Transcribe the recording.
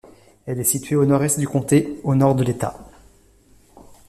Elle est située au nord-est du comté, au nord de l’État.